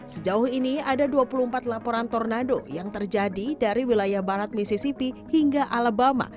sejauh ini ada dua puluh empat laporan tornado yang terjadi dari wilayah barat misissipi hingga alabama